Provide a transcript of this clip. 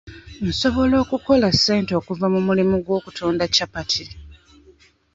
Nsobola okukola ssente okuva mu mulimu gw'okutunda capati .